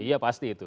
iya pasti itu